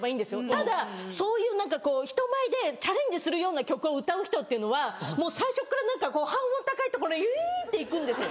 ただそういう人前でチャレンジするような曲を歌う人っていうのは最初っから何か半音高いところ「ン」って行くんですよ。